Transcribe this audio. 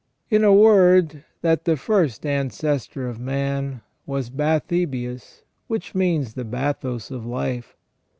In a word, that the first ancestor of man was bathybius, which means the bathos of life.